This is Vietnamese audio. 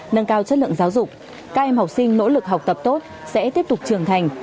nâng cao chất lượng giáo dục các em học sinh nỗ lực học tập tốt sẽ tiếp tục trưởng thành